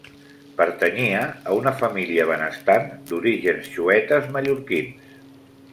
Pertanyia a una família benestant d'orígens xuetes mallorquins.